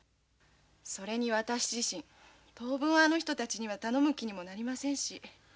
それに私自身当分あの人たちには頼む気にもなりませんし。